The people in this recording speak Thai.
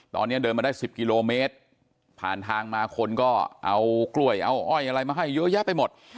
ตอนนี้เดินมาได้๑๐กิโลเมตรผ่านทางมาคนก็เอากล้วยเอาอ้อยอะไรมาให้เยอะแยะไปหมด